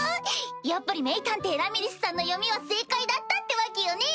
やっぱり名探偵ラミリスさんの読みは正解だったってわけよね！